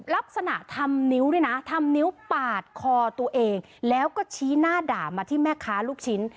ลักษณะทำนิ้วด้วยนะทำนิ้วปาดคอตัวเองแล้วก็ชี้หน้าด่ามาที่แม่ค้าลูกชิ้น